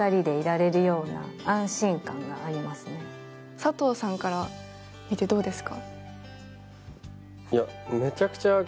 佐藤さんから見てどうですか？